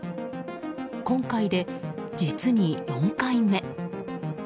今回で実に４回目。